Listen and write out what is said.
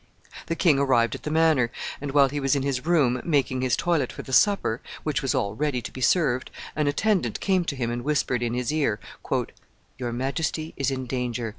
The king arrived at the manor, and, while he was in his room making his toilet for the supper, which was all ready to be served, an attendant came to him and whispered in his ear, "Your majesty is in danger.